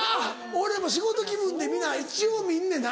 俺も仕事気分で一応見んねんな。